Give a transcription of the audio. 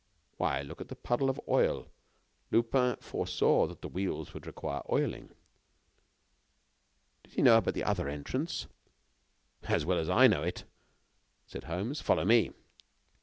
Why, look at that puddle of oil. Lupin foresaw that the wheels would require oiling." "Did he know about the other entrance?" "As well as I know it," said Holmes. "Follow me."